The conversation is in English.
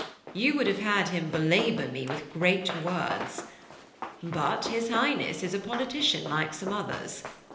'You would have had him belabour me with great words. But his Highness is a politician like some others.